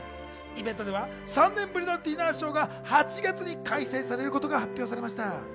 イベントでは３年ぶりのディナーショーが８月に開催されることが発表されました。